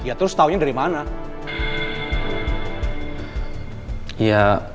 ya terus tahunya dari mana